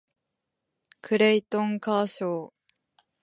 クレイトン・カーショー